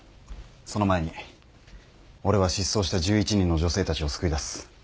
その前に俺は失踪した１１人の女性たちを救い出す。